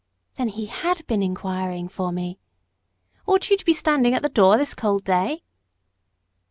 (Then he HAD been inquiring for me!) "Ought you to be standing at the door this cold day?"